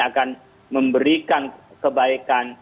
akan memberikan kebaikan